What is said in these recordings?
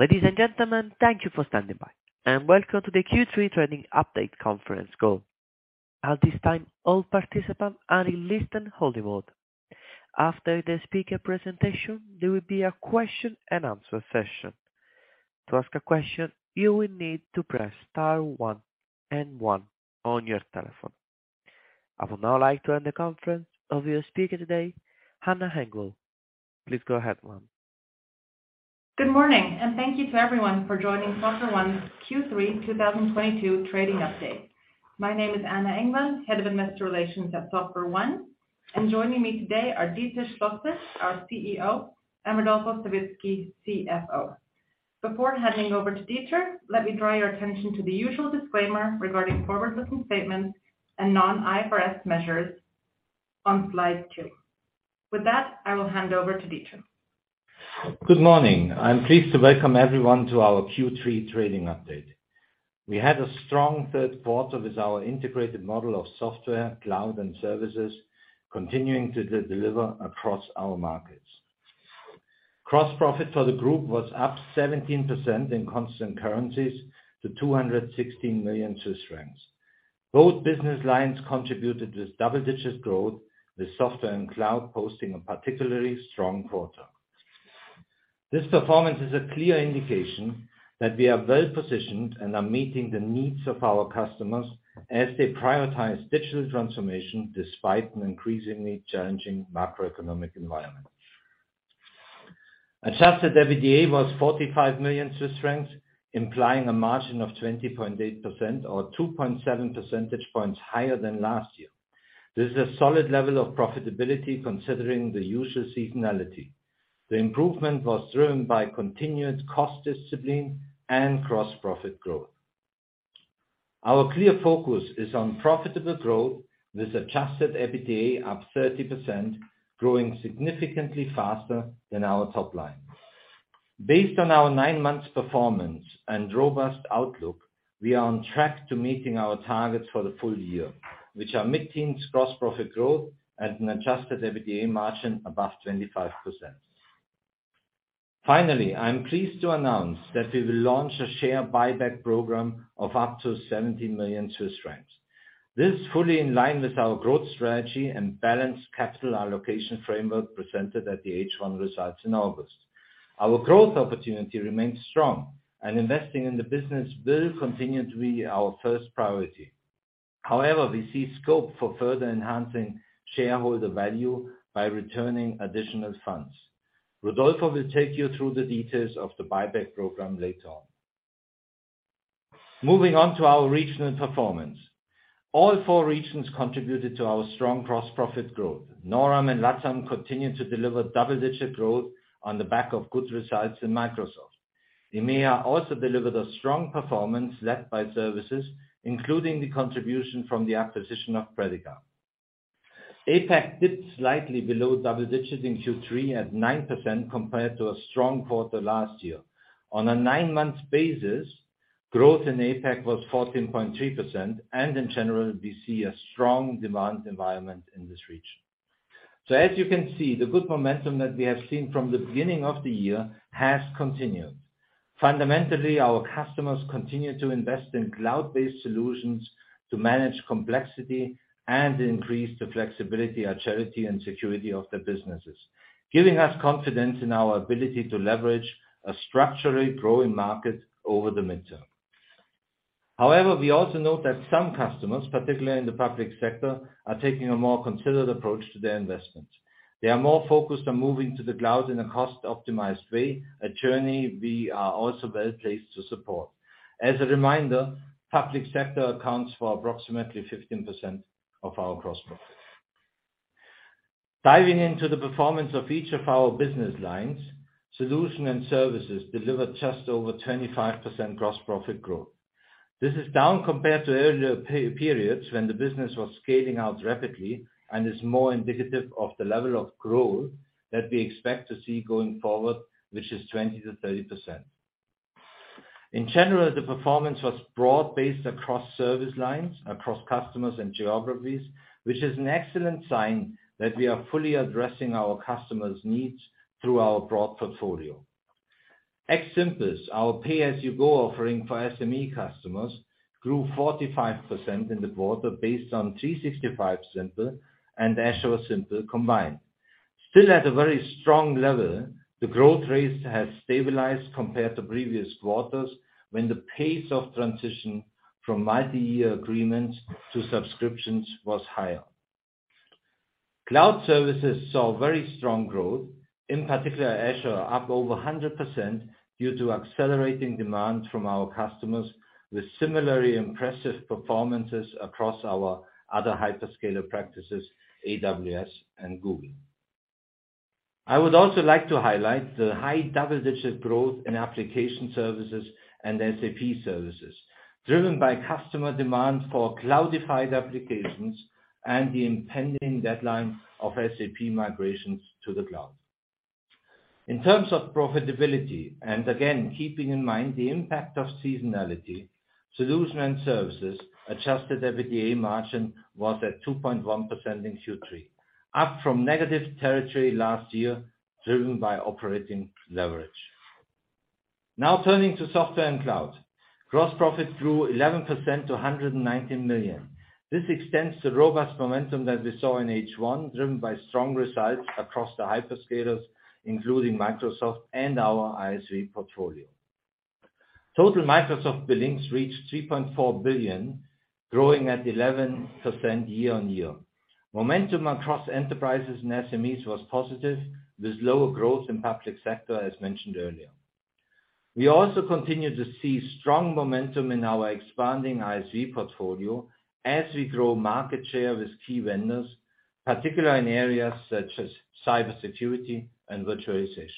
Ladies and gentlemen, thank you for standing by, and welcome to the Q3 Trading Update Conference Call. At this time, all participants are in listen-only mode. After the speaker presentation, there will be a question and answer session. To ask a question, you will need to press star one and one on your telephone. I would now like to hand the conference over to the speaker today, Anna Engvall. Please go ahead, ma'am. Good morning, and thank you to everyone for joining SoftwareOne's Q3 2022 Trading Update. My name is Anna Engvall, Head of Investor Relations at SoftwareOne, and joining me today are Dieter Schlosser, our CEO, and Rodolfo Savitzky, CFO. Before handing over to Dieter, let me draw your attention to the usual disclaimer regarding forward-looking statements and non-IFRS measures on slide two. With that, I will hand over to Dieter. Good morning. I'm pleased to welcome everyone to our Q3 Trading Update. We had a strong third quarter with our integrated model of software, cloud, and services continuing to deliver across our markets. Gross profit for the group was up 17% in constant currencies to 216 million Swiss francs. Both business lines contributed with double-digit growth, with software and cloud posting a particularly strong quarter. This performance is a clear indication that we are well-positioned and are meeting the needs of our customers as they prioritize digital transformation despite an increasingly challenging macroeconomic environment. Adjusted EBITDA was 45 million Swiss francs, implying a margin of 20.8% or 2.7 percentage points higher than last year. This is a solid level of profitability considering the usual seasonality. The improvement was driven by continued cost discipline and gross profit growth. Our clear focus is on profitable growth with adjusted EBITDA up 30%, growing significantly faster than our top line. Based on our nine months performance and robust outlook, we are on track to meeting our targets for the full year, which are mid-teens gross profit growth at an adjusted EBITDA margin above 25%. I am pleased to announce that we will launch a share buyback program of up to 70 million Swiss francs. This is fully in line with our growth strategy and balanced capital allocation framework presented at the H1 results in August. Our growth opportunity remains strong. Investing in the business will continue to be our first priority. We see scope for further enhancing shareholder value by returning additional funds. Rodolfo will take you through the details of the buyback program later on. Moving on to our regional performance. All four regions contributed to our strong gross profit growth. NORAM and LATAM continued to deliver double-digit growth on the back of good results in Microsoft. EMEA also delivered a strong performance led by services, including the contribution from the acquisition of Predica. APAC dipped slightly below double digits in Q3 at 9% compared to a strong quarter last year. On a nine-month basis, growth in APAC was 14.3%. In general, we see a strong demand environment in this region. As you can see, the good momentum that we have seen from the beginning of the year has continued. Fundamentally, our customers continue to invest in cloud-based solutions to manage complexity and increase the flexibility, agility and security of their businesses, giving us confidence in our ability to leverage a structurally growing market over the midterm. We also note that some customers, particularly in the public sector, are taking a more considered approach to their investments. They are more focused on moving to the cloud in a cost-optimized way, a journey we are also well-placed to support. As a reminder, public sector accounts for approximately 15% of our gross profit. Diving into the performance of each of our business lines, solution and services delivered just over 25% gross profit growth. This is down compared to earlier periods when the business was scaling out rapidly and is more indicative of the level of growth that we expect to see going forward, which is 20%-30%. The performance was broad-based across service lines, across customers and geographies, which is an excellent sign that we are fully addressing our customers' needs through our broad portfolio. xSimple, our pay-as-you-go offering for SME customers, grew 45% in the quarter based on 365Simple and AzureSimple combined. Still at a very strong level, the growth rates have stabilized compared to previous quarters when the pace of transition from multi-year agreements to subscriptions was higher. Cloud services saw very strong growth, in particular Azure, up over 100% due to accelerating demand from our customers with similarly impressive performances across our other hyperscaler practices, AWS and Google. I would also like to highlight the high double-digit growth in application services and SAP services, driven by customer demand for cloudified applications and the impending deadline of SAP migrations to the cloud. In terms of profitability, again, keeping in mind the impact of seasonality, solution and services, adjusted EBITDA margin was at 2.1% in Q3. Up from negative territory last year, driven by operating leverage. Turning to software and cloud. Gross profit grew 11% to 119 million. This extends the robust momentum that we saw in H1, driven by strong results across the hyperscalers, including Microsoft and our ISV portfolio. Total Microsoft billings reached 3.4 billion, growing at 11% year-on-year. Momentum across enterprises and SMEs was positive, with lower growth in public sector, as mentioned earlier. We also continue to see strong momentum in our expanding ISV portfolio as we grow market share with key vendors, particularly in areas such as cybersecurity and virtualization.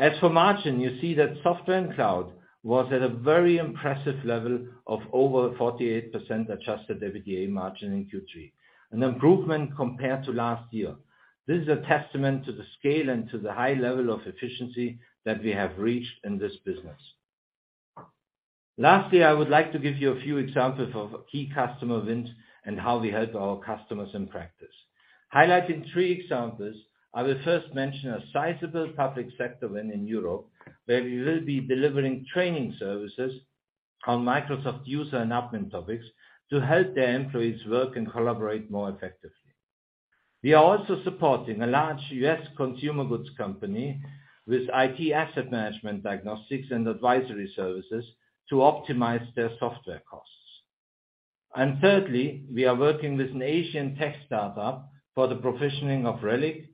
As for margin, you see that software and cloud was at a very impressive level of over 48% adjusted EBITDA margin in Q3, an improvement compared to last year. This is a testament to the scale and to the high level of efficiency that we have reached in this business. Lastly, I would like to give you a few examples of key customer wins and how we help our customers in practice. Highlighting three examples, I will first mention a sizable public sector win in Europe, where we will be delivering training services on Microsoft user and admin topics to help their employees work and collaborate more effectively. We are also supporting a large U.S. consumer goods company with IT asset management diagnostics and advisory services to optimize their software costs. Thirdly, we are working with an Asian tech startup for the provisioning of Relic,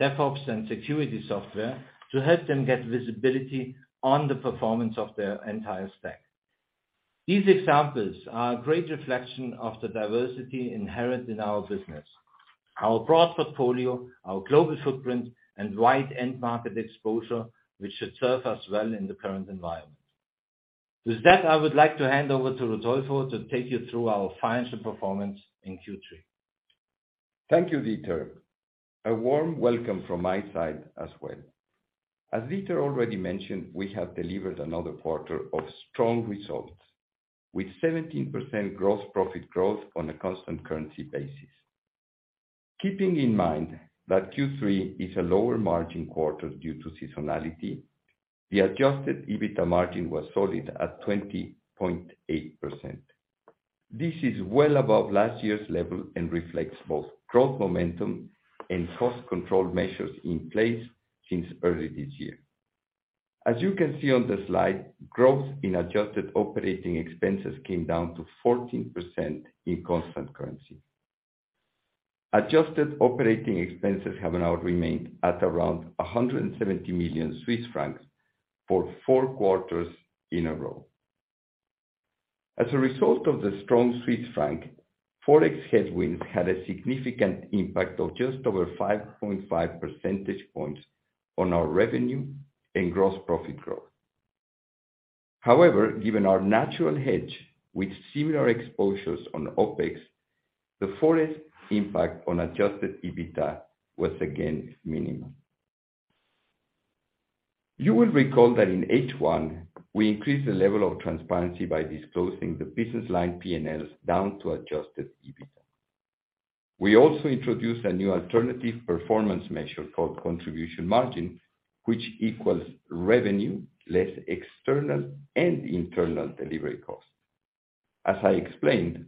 DevOps, and security software to help them get visibility on the performance of their entire stack. These examples are a great reflection of the diversity inherent in our business. Our broad portfolio, our global footprint, and wide end market exposure, which should serve us well in the current environment. With that, I would like to hand over to Rodolfo to take you through our financial performance in Q3. Thank you, Dieter. A warm welcome from my side as well. As Dieter already mentioned, we have delivered another quarter of strong results, with 17% Gross profit growth on a constant currency basis. Keeping in mind that Q3 is a lower margin quarter due to seasonality, the adjusted EBITDA margin was solid at 20.8%. This is well above last year's level and reflects both growth momentum and cost control measures in place since early this year. As you can see on the slide, growth in adjusted operating expenses came down to 14% in constant currency. Adjusted operating expenses have now remained at around 170 million Swiss francs for four quarters in a row. As a result of the strong Swiss franc, Forex headwind had a significant impact of just over 5.5 percentage points on our revenue and gross profit growth. Given our natural hedge with similar exposures on OpEx, the forex impact on adjusted EBITDA was again minimum. You will recall that in H1, we increased the level of transparency by disclosing the business line P&L down to adjusted EBITDA. We also introduced a new alternative performance measure called contribution margin, which equals revenue less external and internal delivery cost. As I explained,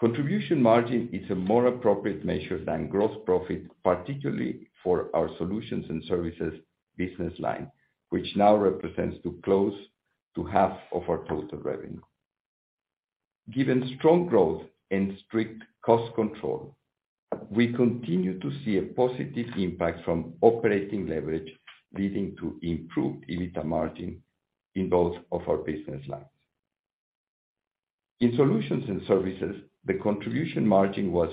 contribution margin is a more appropriate measure than gross profit, particularly for our solutions and services business line, which now represents to close to half of our total revenue. Given strong growth and strict cost control, we continue to see a positive impact from operating leverage, leading to improved EBITDA margin in both of our business lines. In solutions and services, the contribution margin was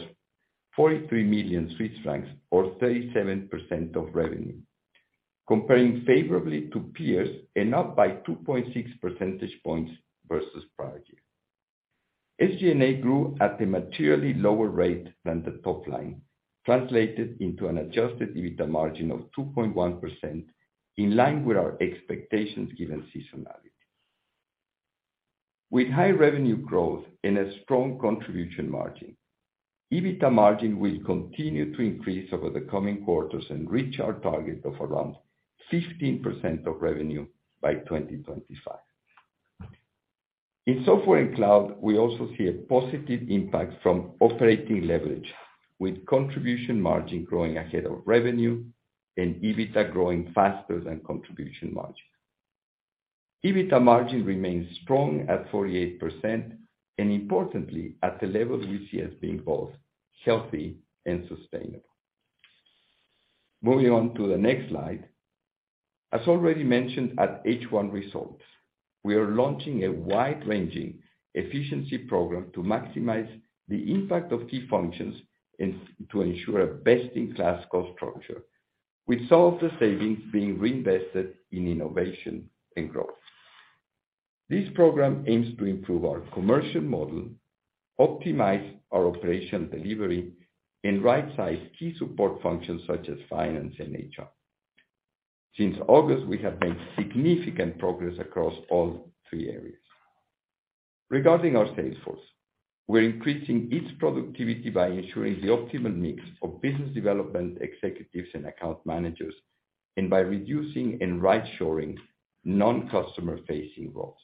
43 million Swiss francs or 37% of revenue, comparing favorably to peers and up by 2.6 percentage points versus prior year. SG&A grew at a materially lower rate than the top line, translated into an adjusted EBITDA margin of 2.1%, in line with our expectations given seasonality. With high revenue growth and a strong contribution margin, EBITDA margin will continue to increase over the coming quarters and reach our target of around 15% of revenue by 2025. In software and cloud, we also see a positive impact from operating leverage, with contribution margin growing ahead of revenue and EBITDA growing faster than contribution margin. EBITDA margin remains strong at 48%, and importantly, at a level we see as being both healthy and sustainable. Moving on to the next slide. As already mentioned at H1 results, we are launching a wide-ranging efficiency program to maximize the impact of key functions to ensure a best-in-class cost structure, with some of the savings being reinvested in innovation and growth. This program aims to improve our commercial model, optimize our operation delivery, and rightsize key support functions such as finance and HR. Since August, we have made significant progress across all three areas. Regarding our sales force, we're increasing its productivity by ensuring the optimal mix of business development executives and account managers and by reducing and right-shoring non-customer-facing roles.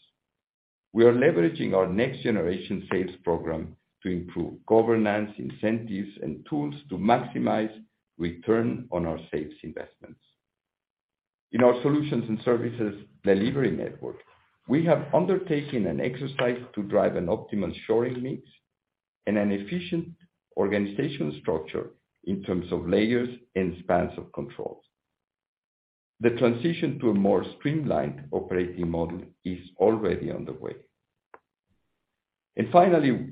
We are leveraging our next generation sales program to improve governance, incentives, and tools to maximize return on our sales investments. In our solutions and services delivery network, we have undertaken an exercise to drive an optimal shoring mix and an efficient organizational structure in terms of layers and spans of controls. The transition to a more streamlined operating model is already underway. Finally,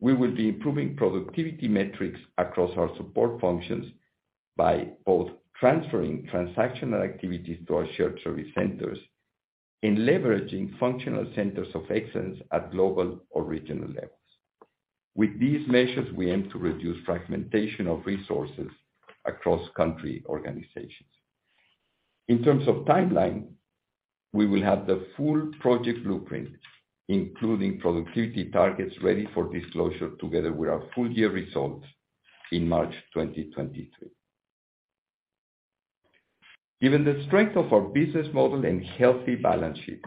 we will be improving productivity metrics across our support functions by both transferring transactional activities to our shared service centers and leveraging functional centers of excellence at global or regional levels. With these measures, we aim to reduce fragmentation of resources across country organizations. In terms of timeline, we will have the full project blueprint, including productivity targets, ready for disclosure together with our full year results in March 2023. Given the strength of our business model and healthy balance sheet,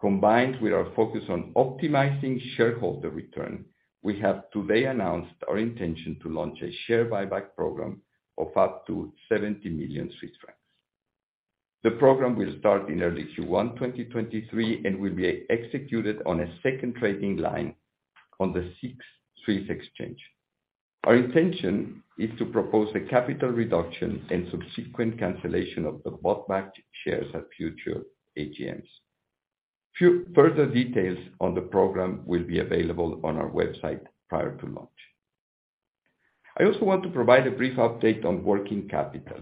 combined with our focus on optimizing shareholder return, we have today announced our intention to launch a share buyback program of up to 70 million Swiss francs. The program will start in early Q1 2023 and will be executed on a second trading line on the SIX Swiss Exchange. Our intention is to propose a capital reduction and subsequent cancellation of the bought back shares at future AGMs. further details on the program will be available on our website prior to launch. I also want to provide a brief update on working capital.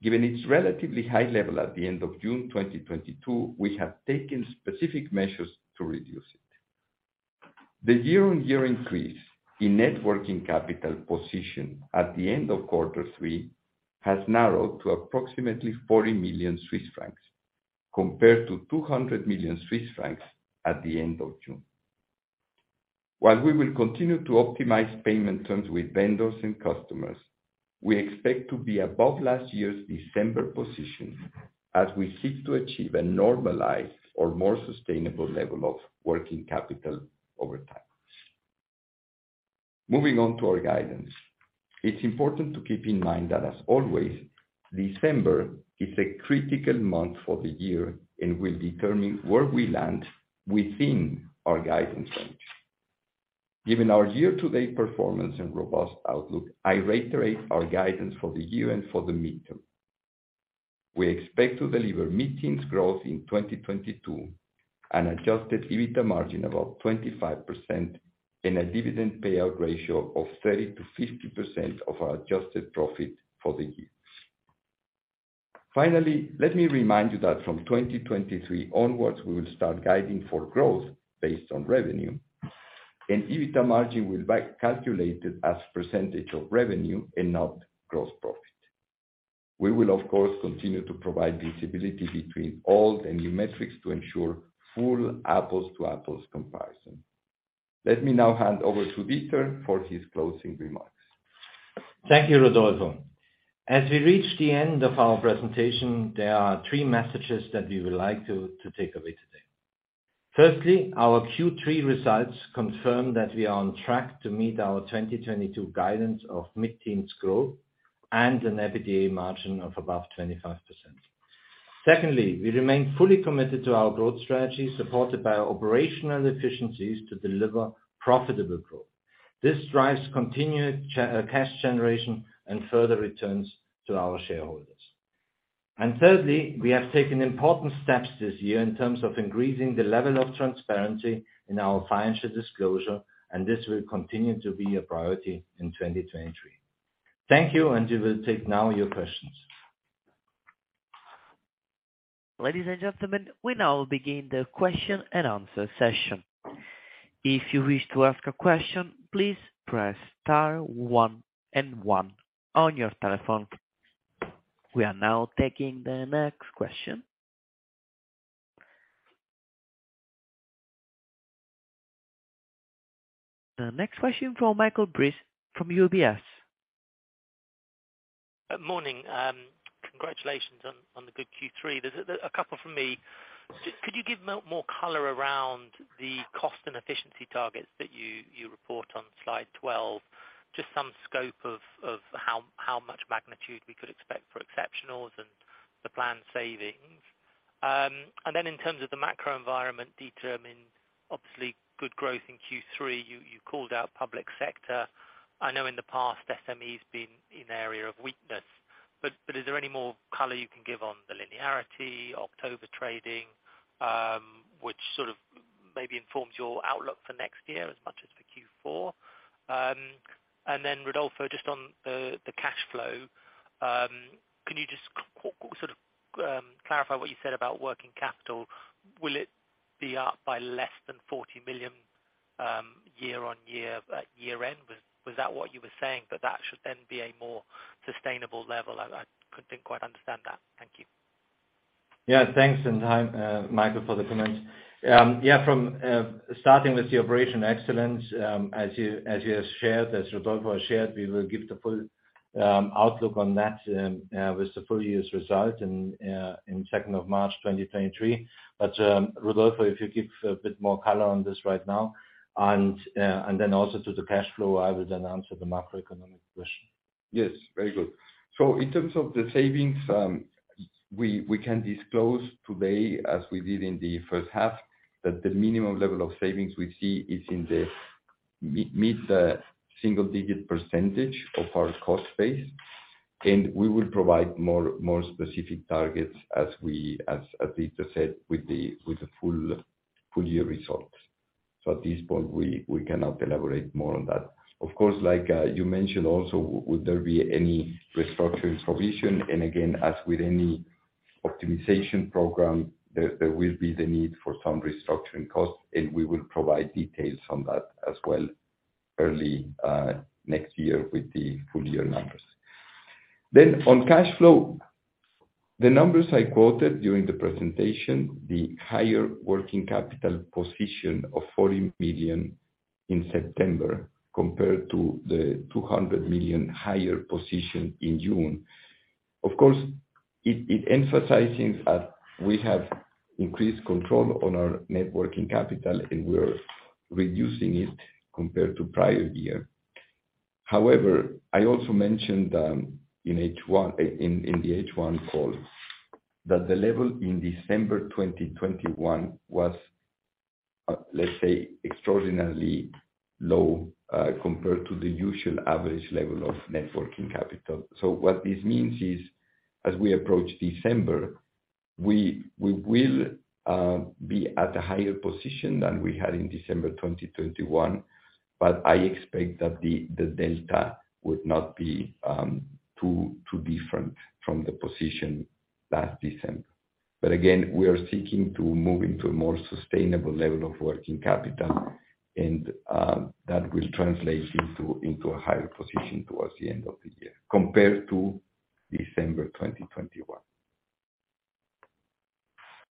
Given its relatively high level at the end of June 2022, we have taken specific measures to reduce it. The year-on-year increase in net working capital position at the end of quarter three has narrowed to approximately 40 million Swiss francs compared to 200 million Swiss francs at the end of June. While we will continue to optimize payment terms with vendors and customers, we expect to be above last year's December position as we seek to achieve a normalized or more sustainable level of working capital over time. Moving on to our guidance. It's important to keep in mind that, as always, December is a critical month for the year and will determine where we land within our guidance range. Given our year-to-date performance and robust outlook, I reiterate our guidance for the year and for the midterm. We expect to deliver mid-teens growth in 2022, an adjusted EBITDA margin about 25%, and a dividend payout ratio of 30%-50% of our adjusted profit for the year. Finally, let me remind you that from 2023 onwards, we will start guiding for growth based on revenue, and EBITDA margin will be calculated as % of revenue and not gross profit. We will of course, continue to provide visibility between old and new metrics to ensure full apples-to-apples comparison. Let me now hand over to Dieter for his closing remarks. Thank you, Rodolfo. As we reach the end of our presentation, there are three messages that we would like to take away today. Firstly, our Q3 results confirm that we are on track to meet our 2022 guidance of mid-teens growth and an EBITDA margin of above 25%. Secondly, we remain fully committed to our growth strategy, supported by operational efficiencies, to deliver profitable growth. This drives continued cash generation and further returns to our shareholders. Thirdly, we have taken important steps this year in terms of increasing the level of transparency in our financial disclosure, and this will continue to be a priority in 2023. Thank you, we will take now your questions. Ladies and gentlemen, we now begin the question and answer session. If you wish to ask a question, please press star one and one on your telephone. We are now taking the next question. The next question from Michael Briest from UBS. Morning. Congratulations on the good Q3. There's a couple from me. Could you give more color around the cost and efficiency targets that you report on slide 12? Just some scope of how much magnitude we could expect for exceptionals and the planned savings. In terms of the macro environment determined, obviously good growth in Q3. You called out public sector. I know in the past SME has been an area of weakness, but is there any more color you can give on the linearity, October trading, which sort of maybe informs your outlook for next year as much as for Q4? Rodolfo, just on the cash flow, can you just sort of clarify what you said about working capital? Will it be up by less than 40 million year-on-year at year-end? Was that what you were saying? That should then be a more sustainable level? I couldn't quite understand that. Thank you. Yeah, thanks, Michael, for the comments. Yeah, from starting with the operation excellence, as you, as you have shared, as Rodolfo has shared, we will give the full outlook on that with the full year's result in 2nd of March 2023. Rodolfo, if you give a bit more color on this right now, and then also to the cash flow, I will then answer the macroeconomic question. Very good. In terms of the savings, we can disclose today, as we did in the first half, that the minimum level of savings we see is in the mid single-digit percentage of our cost base, and we will provide more specific targets as Dieter said, with the full year results. At this point, we cannot elaborate more on that. Of course, like, you mentioned also, would there be any restructuring provision? Again, as with any optimization program, there will be the need for some restructuring costs, and we will provide details on that as well early next year with the full year numbers. On cash flow, the numbers I quoted during the presentation, the higher working capital position of 40 million in September compared to the 200 million higher position in June, of course, it emphasizes that we have increased control on our net working capital, and we're reducing it compared to prior year. I also mentioned in the H1 call that the level in December 2021 was, let's say, extraordinarily low compared to the usual average level of net working capital. What this means is, as we approach December, we will be at a higher position than we had in December 2021, but I expect that the delta would not be too different from the position last December. Again, we are seeking to move into a more sustainable level of working capital and, that will translate into a higher position towards the end of the year compared to December 2021.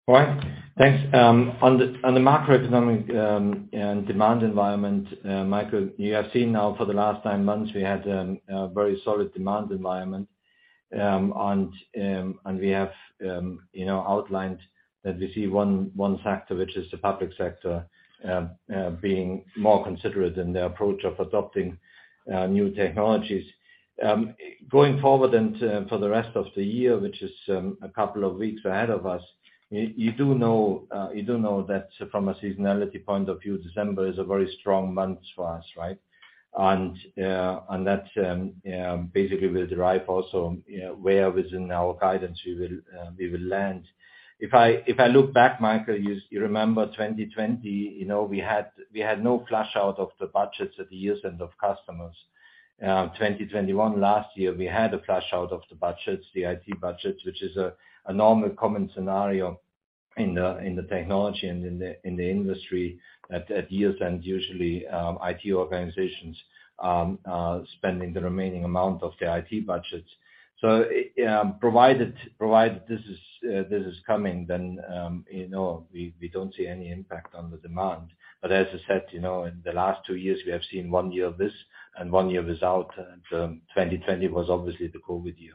All right. Thanks. On the macroeconomic and demand environment, Michael, you have seen now for the last nine months, we had a very solid demand environment, and we have, you know, outlined that we see one factor, which is the public sector being more considerate in their approach of adopting new technologies. Going forward and for the rest of the year, which is a couple of weeks ahead of us, you do know that from a seasonality point of view, December is a very strong month for us, right? That basically will derive also, you know, where within our guidance we will land. If I, if I look back, Michael, you remember 2020, you know, we had no flush out of the budgets at the year end of customers. 2021 last year, we had a flush out of the budgets, the IT budgets, which is a normal common scenario in the technology and in the industry at years end, usually, IT organizations spending the remaining amount of the IT budgets. Provided this is coming, then, you know, we don't see any impact on the demand. As I said, you know, in the last two years, we have seen one year of this and one year without, and 2020 was obviously the COVID year.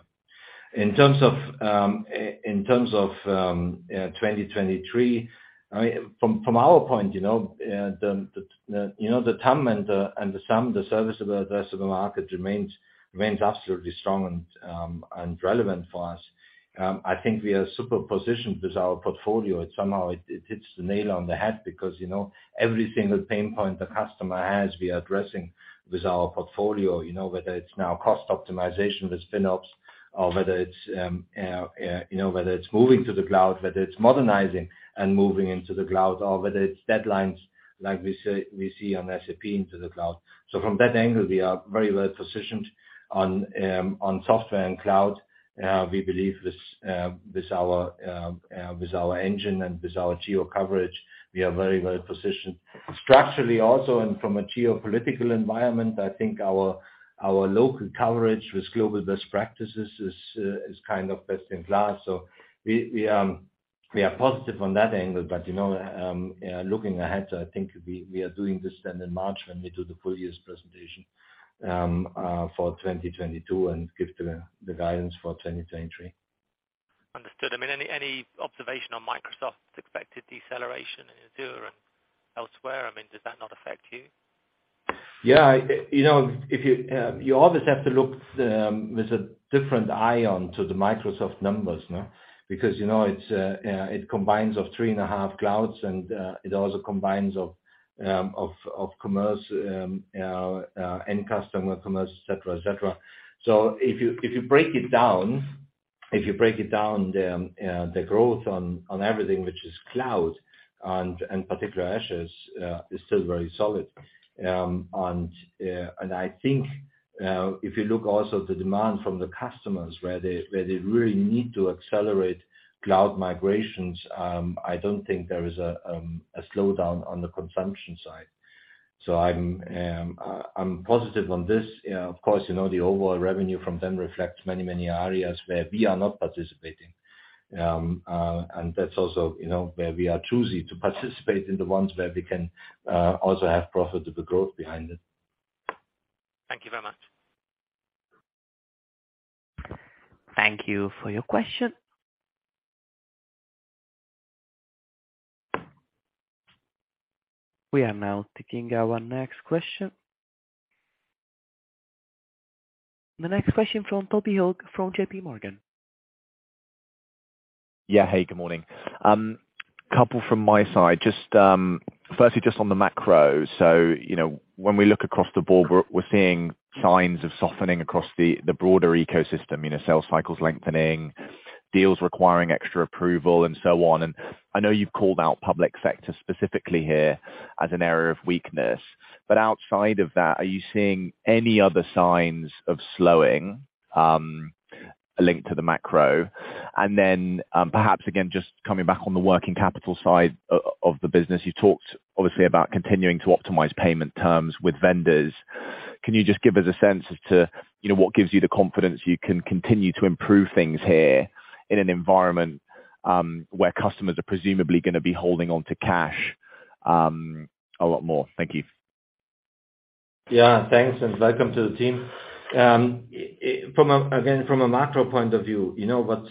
In terms of 2023, I mean, from our point, you know, the, you know, the TAM and the SAM, the service addressable market remains absolutely strong and relevant for us. I think we are super positioned with our portfolio. Somehow it hits the nail on the head because, you know, every single pain point the customer has, we are addressing with our portfolio, you know, whether it's now cost optimization with FinOps or whether it's, you know, whether it's moving to the cloud, whether it's modernizing and moving into the cloud or whether it's deadlines like we see on SAP into the cloud. From that angle, we are very well positioned on software and cloud. We believe with our engine and with our geo coverage, we are very well positioned. Structurally also, and from a geopolitical environment, I think our local coverage with global best practices is kind of best in class. We are positive on that angle. You know, looking ahead, I think we are doing this then in March when we do the full year's presentation for 2022 and give the guidance for 2023. Understood. I mean, any observation on Microsoft's expected deceleration in Azure and elsewhere? I mean, does that not affect you? Yeah. You know, if you always have to look with a different eye on to the Microsoft numbers, no? Because, you know, it combines of 3.5 Clouds and it also combines of commerce, end customer commerce, et cetera, et cetera. If you break it down, if you break it down, the growth on everything which is cloud and particular Azure is still very solid. If you look also the demand from the customers where they, where they really need to accelerate cloud migrations, I don't think there is a slowdown on the consumption side. I'm positive on this. You know, of course, you know, the overall revenue from them reflects many areas where we are not participating. That's also, you know, where we are choosy to participate in the ones where we can also have profitable growth behind it. Thank you very much. Thank you for your question. We are now taking our next question. The next question from Toby Ogg from J.P. Morgan. Hey, good morning. Couple from my side, just firstly, just on the macro. You know, when we look across the board, we're seeing signs of softening across the broader ecosystem, you know, sales cycles lengthening, deals requiring extra approval and so on. I know you've called out public sector specifically here as an area of weakness, but outside of that, are you seeing any other signs of slowing linked to the macro? Perhaps again, just coming back on the working capital side of the business, you talked obviously about continuing to optimize payment terms with vendors. Can you just give us a sense as to, you know, what gives you the confidence you can continue to improve things here in an environment where customers are presumably gonna be holding onto cash a lot more? Thank you. Yeah. Thanks and welcome to the team. again, from a macro point of view, you know what,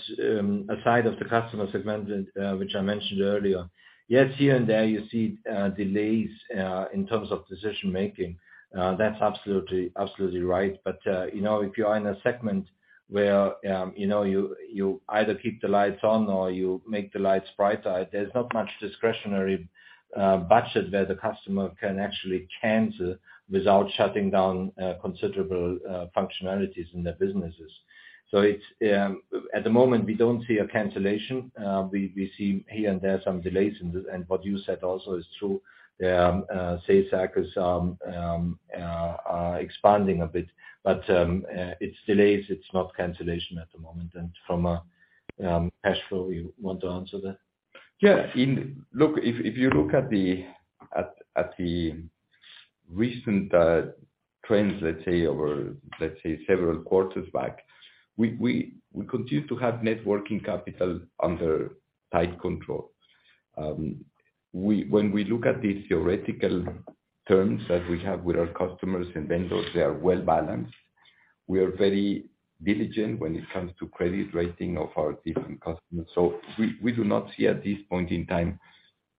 aside of the customer segment, which I mentioned earlier, yes, here and there you see delays in terms of decision-making. That's absolutely right. you know, if you are in a segment where, you know, you either keep the lights on or you make the lights brighter, there's not much discretionary budget where the customer can actually cancel without shutting down considerable functionalities in their businesses. it's at the moment, we don't see a cancellation. we see here and there some delays in this, and what you said also is true. sales cycles are expanding a bit, but it's delays, it's not cancellation at the moment. From cash flow, you want to answer that? Yeah. Look, if you look at the recent trends, let's say over, let's say several quarters back, we continue to have net working capital under tight control. When we look at these theoretical terms that we have with our customers and vendors, they are well-balanced. We are very diligent when it comes to credit rating of our different customers. We do not see at this point in time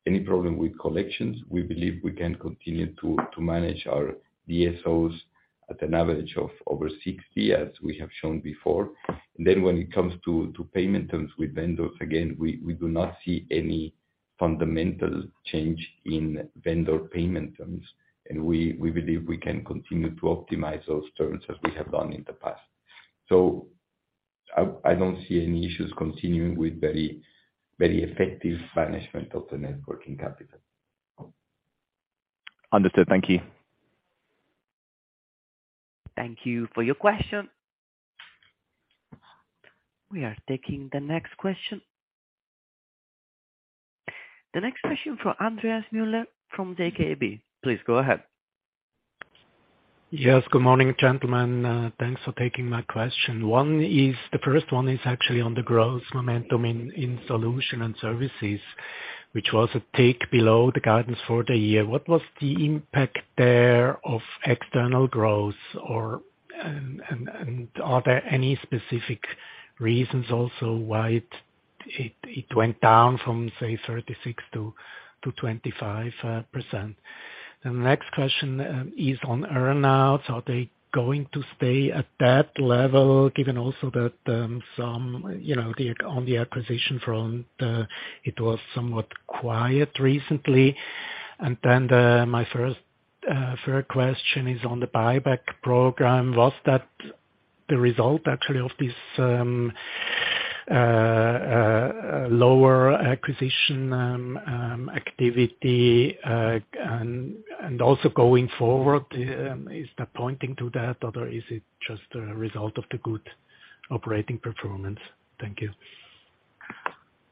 any problem with collections. We believe we can continue to manage our DSOs at an average of over 60 as we have shown before. When it comes to payment terms with vendors, again, we do not see any fundamental change in vendor payment terms, and we believe we can continue to optimize those terms as we have done in the past. I don't see any issues continuing with very, very effective management of the net working capital. Understood. Thank you. Thank you for your question. We are taking the next question. The next question from Andreas Muller from ZKB. Please go ahead. Yes. Good morning, gentlemen. Thanks for taking my question. The first one is actually on the growth momentum in solution and services, which was a tick below the guidance for the year. What was the impact there of external growth or, and are there any specific reasons also why it went down from, say, 36% to 25%? The next question is on earn-outs. Are they going to stay at that level given also that, you know, on the acquisition front, it was somewhat quiet recently? My third question is on the buyback program. Was that the result actually of this lower acquisition activity? Also going forward, is that pointing to that or is it just a result of the good operating performance? Thank you.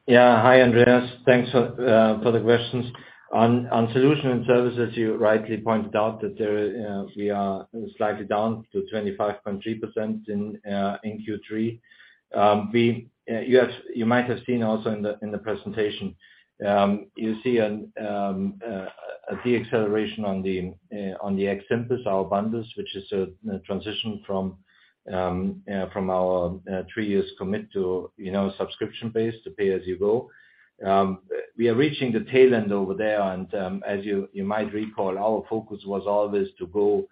Hi, Andreas. Thanks for the questions. On solution and services, you rightly pointed out that there, we are slightly down to 25.3% in Q3. We, you might have seen also in the presentation, you see a de-acceleration on the xSimple, our bundles, which is a transition from our three years commit to, you know, subscription base to pay-as-you-go. We are reaching the tail end over there and, as you might recall, our focus was always to go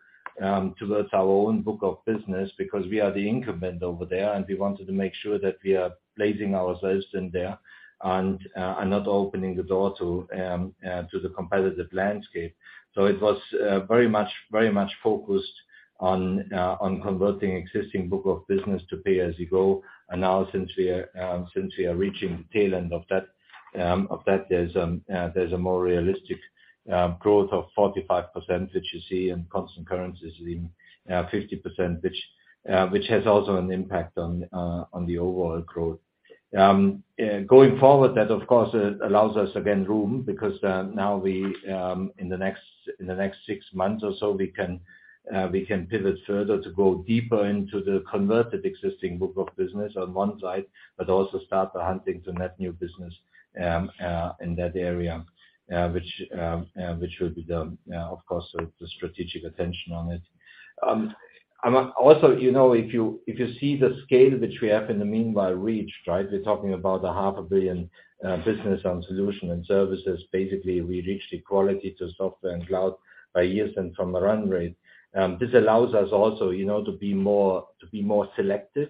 towards our own book of business because we are the incumbent over there, and we wanted to make sure that we are placing ourselves in there and not opening the door to the competitive landscape. It was very much focused on converting existing book of business to pay-as-you-go. Now since we are reaching the tail end of that, of that, there's a more realistic growth of 45%, which you see in constant currencies in 50%, which has also an impact on the overall growth. Going forward, that of course allows us again room because now we in the next six months or so, we can pivot further to go deeper into the converted existing book of business on one side, but also start the hunting to net new business in that area, which will be of course the strategic attention on it. Also, you know, if you see the scale which we have in the meanwhile reached, right. We're talking about a 0.5 Billion business on solution and services. Basically, we reached equality to software and cloud by years and from a run rate. This allows us also, you know, to be more selective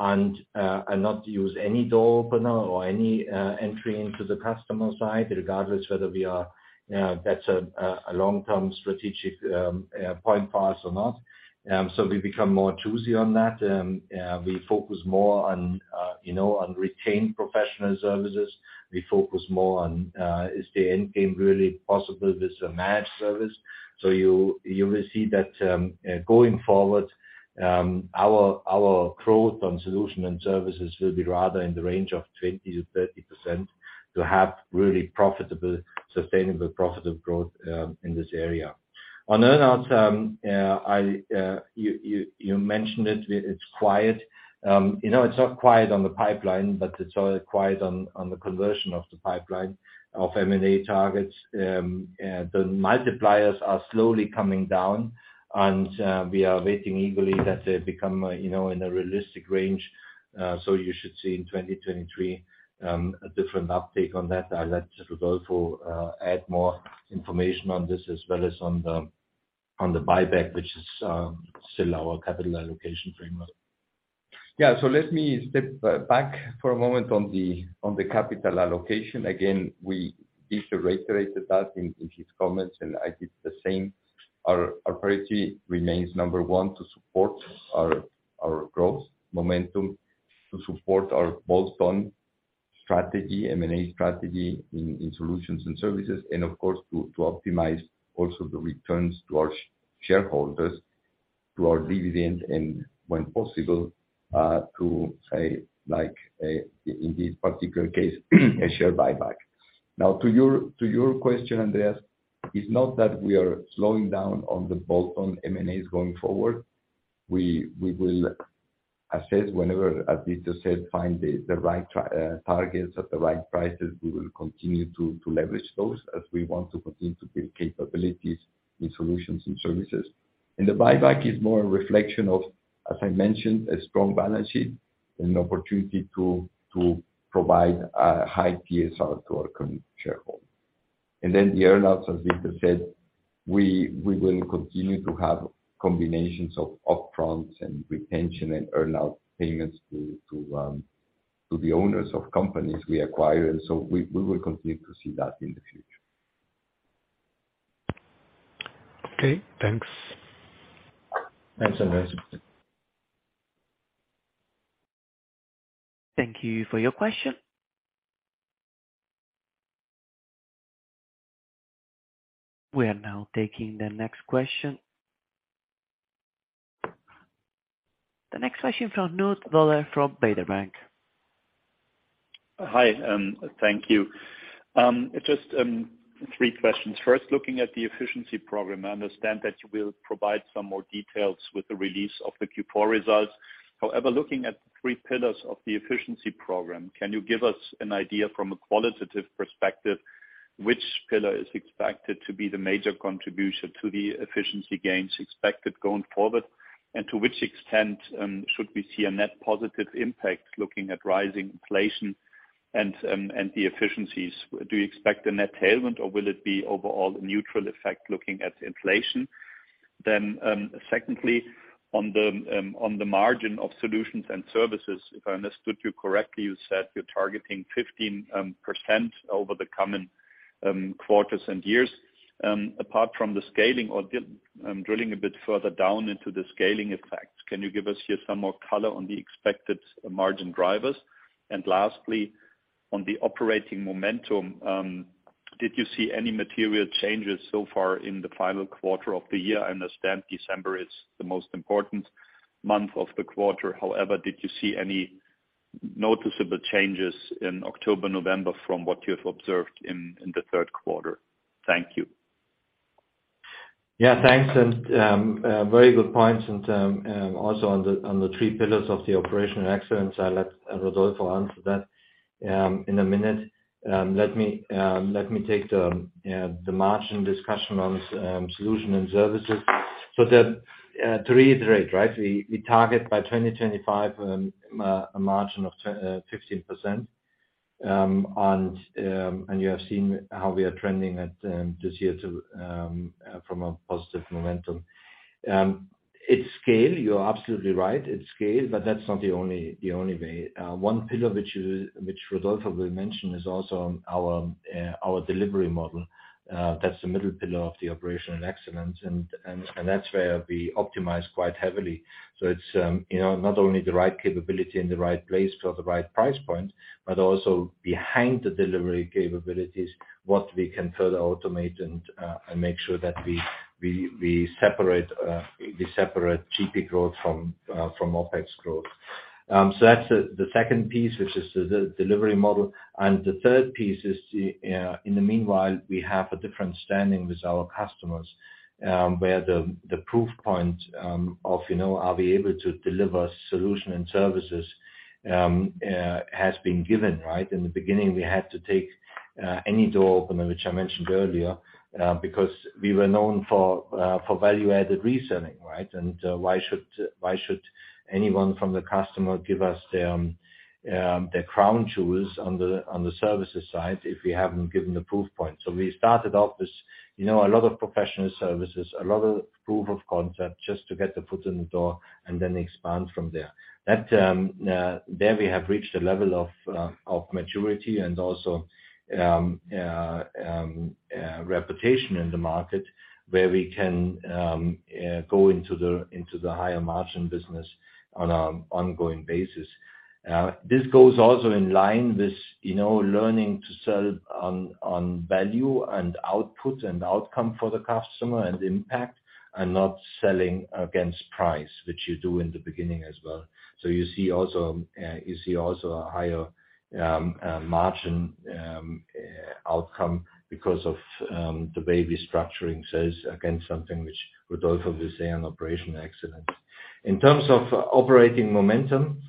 and not use any door opener or any entry into the customer side, regardless whether we are, that's a long-term strategic point for us or not. We become more choosy on that. We focus more on, you know, on retained professional services. We focus more on, is the end game really possible with a managed service? You will see that, going forward, our growth on solution and services will be rather in the range of 20%-30% to have really profitable, sustainable profitable growth in this area. On earn-outs, I mentioned it. It's quiet. You know, it's not quiet on the pipeline, but it's all quiet on the conversion of the pipeline of M&A targets. The multipliers are slowly coming down, and we are waiting eagerly that they become, you know, in a realistic range. You should see in 2023 a different uptake on that. I'll let Rodolfo add more information on this as well as on the buyback, which is still our capital allocation framework. Yeah. Let me step back for a moment on the capital allocation. Again, Dieter reiterated that in his comments, and I did the same. Our priority remains, number one, to support our growth momentum, to support our bolt-on strategy, M&A strategy in solutions and services, and of course, to optimize also the returns to our shareholders, to our dividend, and when possible, to say, like, in this particular case, a share buyback. To your question, Andreas, it's not that we are slowing down on the bolt-on M&As going forward. We will assess whenever, as Dieter Schlosser said, find the right targets at the right prices. We will continue to leverage those as we want to continue to build capabilities in solutions and services. The buyback is more a reflection of, as I mentioned, a strong balance sheet and an opportunity to provide a high TSR to our shareholder. The earn-outs, as Dieter said, we will continue to have combinations of upfronts and retention and earn-out payments to the owners of companies we acquire, and so we will continue to see that in the future. Okay, thanks. Thanks, Andreas Müller. Thank you for your question. We are now taking the next question. The next question from Knut Woller from Baader Bank. Hi, thank you. Just three questions. First, looking at the efficiency program, I understand that you will provide some more details with the release of the Q4 results. However, looking at the three pillars of the efficiency program, can you give us an idea from a qualitative perspective which pillar is expected to be the major contribution to the efficiency gains expected going forward? To which extent should we see a net positive impact looking at rising inflation and the efficiencies? Do you expect a net tailwind or will it be overall a neutral effect looking at inflation? Secondly, on the margin of solutions and services, if I understood you correctly, you said you're targeting 15% over the coming quarters and years. Apart from the scaling or drilling a bit further down into the scaling effects, can you give us here some more color on the expected margin drivers? Lastly, on the operating momentum, did you see any material changes so far in the final quarter of the year? I understand December is the most important month of the quarter. Did you see any noticeable changes in October, November from what you have observed in the third quarter? Thank you. Yeah, thanks. Very good points. Also on the three pillars of the operational excellence, I'll let Rodolfo answer that in a minute. Let me take the margin discussion on solution and services. To reiterate, right? We target by 2025 a margin of 15%. You have seen how we are trending at this year to from a positive momentum. It's scale. You're absolutely right. It's scale, but that's not the only way. One pillar which Rodolfo will mention is also our delivery model. That's the middle pillar of the operational excellence, and that's where we optimize quite heavily. It's, you know, not only the right capability in the right place for the right price point, but also behind the delivery capabilities, what we can further automate and make sure that we separate GP growth from OpEx growth. That's the second piece, which is the de-delivery model. The third piece is, in the meanwhile, we have a different standing with our customers, where the proof point of, you know, are we able to deliver solution and services, has been given, right. In the beginning, we had to take any door opener, which I mentioned earlier, because we were known for value-added reselling, right. Why should anyone from the customer give us their crown jewels on the, on the services side if we haven't given the proof point? We started off with, you know, a lot of professional services, a lot of proof of concept just to get the foot in the door and then expand from there. There we have reached a level of maturity and also reputation in the market where we can go into the higher margin business on an ongoing basis. This goes also in line with, you know, learning to sell on value and output and outcome for the customer and impact and not selling against price, which you do in the beginning as well. You see also a higher margin outcome because of the way we're structuring sales, again, something which Rodolfo will say on operational excellence. In terms of operating momentum,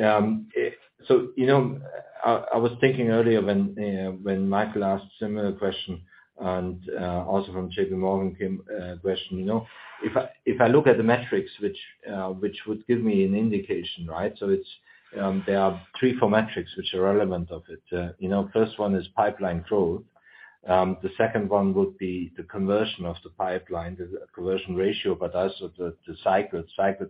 so, you know, I was thinking earlier when Michael asked similar question and also from J.P. Morgan came a question, you know. If I, if I look at the metrics which would give me an indication, right? It's, there are three, four metrics which are relevant of it. You know, first one is pipeline growth. The second one would be the conversion of the pipeline, the conversion ratio, but also the cycle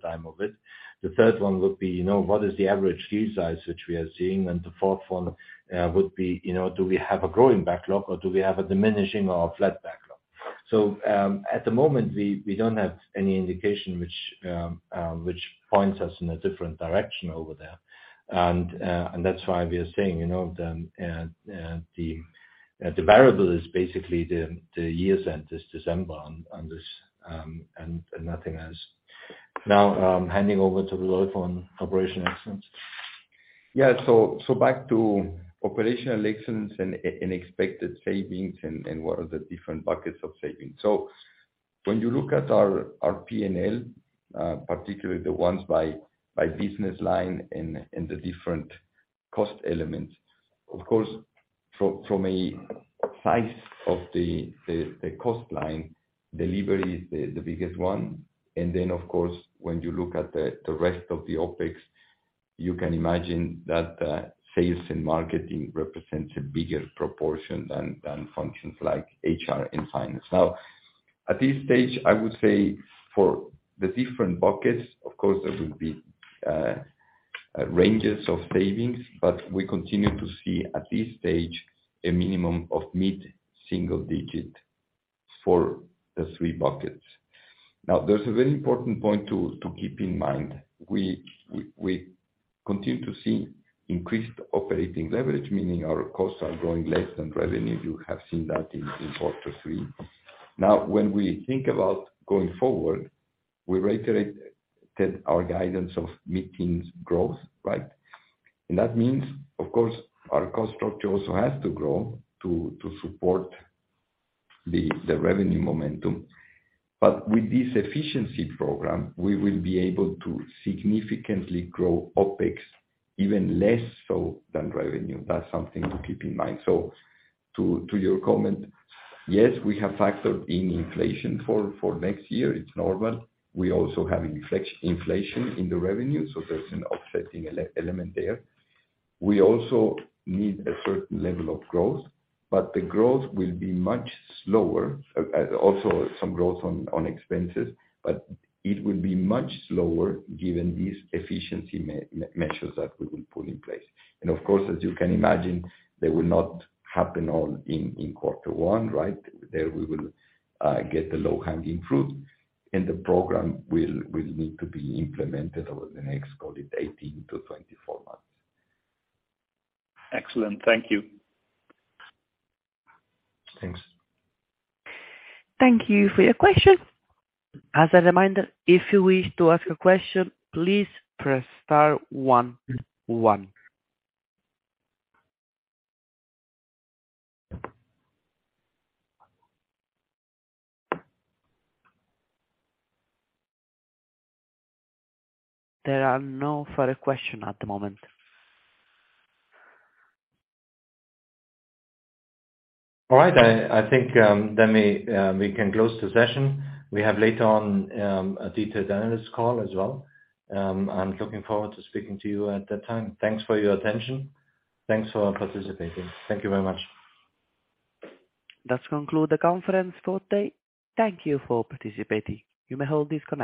time of it. The third one would be, you know, what is the average deal size which we are seeing. The fourth one would be, you know, do we have a growing backlog or do we have a diminishing or a flat backlog? At the moment, we don't have any indication which points us in a different direction over there. That's why we are saying, you know, the variable is basically the year end is December on this, and nothing else. I'm handing over to Rodolfo on operational excellence. Yeah. Back to operational excellence and unexpected savings and what are the different buckets of savings. When you look at our P&L, particularly the ones by business line and the different cost elements, of course, from a size of the cost line, delivery is the biggest one. Of course, when you look at the rest of the OpEx, you can imagine that sales and marketing represents a bigger proportion than functions like HR and finance. At this stage, I would say for the different buckets, of course, there will be ranges of savings, but we continue to see at this stage a minimum of mid-single digit for the three buckets. There's a very important point to keep in mind. We continue to see increased operating leverage, meaning our costs are growing less than revenue. You have seen that in quarter three. When we think about going forward, we reiterate that our guidance of mid-teens growth, right? That means, of course, our cost structure also has to grow to support the revenue momentum. But with this efficiency program, we will be able to significantly grow OpEx even less so than revenue. That's something to keep in mind. To your comment, yes, we have factored in inflation for next year. It's normal. We also have inflation in the revenue, so there's an offsetting element there. We also need a certain level of growth, the growth will be much slower. Also some growth on expenses, but it will be much slower given these efficiency measures that we will put in place. Of course, as you can imagine, they will not happen all in quarter one, right? There we will, get the low-hanging fruit, and the program will need to be implemented over the next, call it 18-24 months. Excellent. Thank you. Thanks. Thank you for your question. As a reminder, if you wish to ask a question, please press star one one. There are no further question at the moment. All right. I think, we can close the session. We have later on, a detailed analyst call as well. I'm looking forward to speaking to you at that time. Thanks for your attention. Thanks for participating. Thank you very much. That's conclude the conference for today. Thank you for participating. You may hold these-